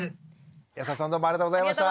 安田さんどうもありがとうございました。